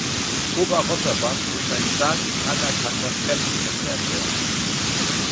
Oberotterbach ist ein staatlich anerkannter Fremdenverkehrsort.